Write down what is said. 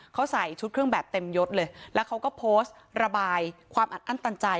เขาใส่ชุดเครื่องแบบเต็มยดเลยแล้วเขาก็โพสต์ระบายความอัดอั้นตันใจ